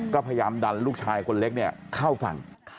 ก็พยายามดันลูกชายคนเล็กเข้าฝั่ง